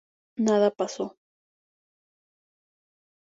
Nada pasó.